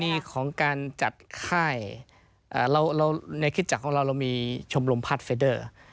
ในกรณีของการจัดค่ายในคิดจักรของเราเรามีชมรมพาสเฟดเดอร์